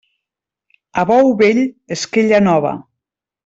A bou vell, esquella nova.